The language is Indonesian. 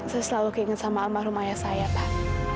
saya selalu keinget sama almarhum ayah saya pak